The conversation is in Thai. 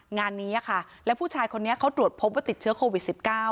งานนี้ค่ะแล้วผู้ชายคนนี้เขาตรวจพบว่าติดเชื้อโควิด๑๙